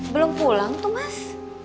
belum pulang tuh mas